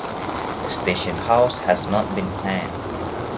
A station house has not been planned.